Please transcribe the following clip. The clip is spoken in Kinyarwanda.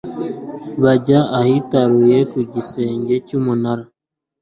bajya ahitaruye ku gisenge cy'umunara